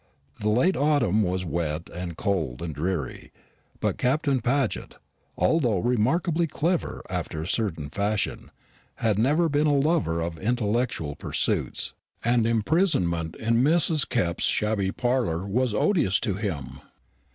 The late autumn was wet and cold and dreary; but Captain Paget, although remarkably clever after a certain fashion, had never been a lover of intellectual pursuits, and imprisonment in Mrs. Kepp's shabby parlour was odious to him.